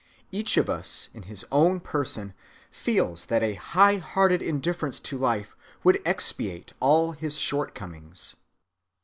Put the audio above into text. Each of us in his own person feels that a high‐hearted indifference to life would expiate all his shortcomings.